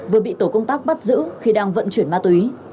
vừa bị tổ công tác bắt giữ khi đang vận chuyển ma túy